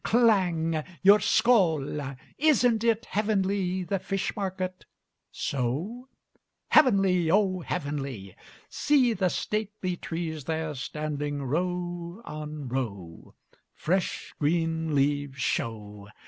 Klang! Your Skål! Isn't it heavenly the fish market? So? "Heavenly, oh heavenly!" "See the stately trees there, standing row on row, Fresh, green leaves show!